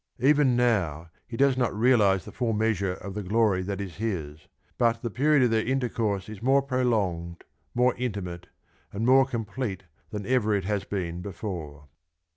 Even now he does not realise the full measure of the glory that is his, but the period of their intercourse is more prolonged, more intimate, and more complete than ever it has been before.